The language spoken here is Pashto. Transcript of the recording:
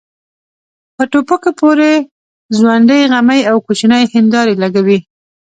په ټوپکو پورې ځونډۍ غمي او کوچنۍ هيندارې لګوي.